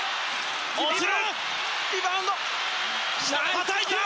はたいた！